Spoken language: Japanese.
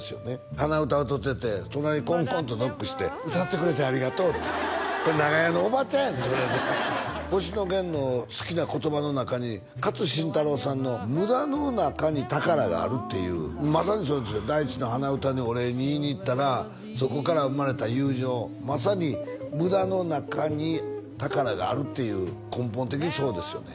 鼻歌歌うてて隣コンコンとノックして「歌ってくれてありがとう」ってこれ長屋のおばちゃんやで星野源の好きな言葉の中に勝新太郎さんのっていうまさにそうですよ大知の鼻歌にお礼言いに行ったらそこから生まれた友情まさに無駄の中に宝があるっていう根本的にそうですよね